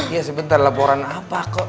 ya sebentar laporan apa kok